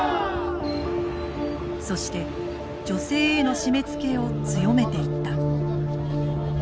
そして女性への締めつけを強めていった。